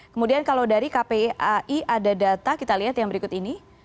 kemudian kalau dari kpai ada data kita lihat yang berikut ini